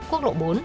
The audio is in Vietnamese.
quốc lộ bốn